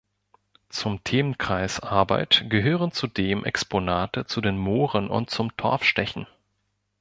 Zum Themenkreis Arbeit gehören zudem Exponate zu den Mooren und zum Torfstechen.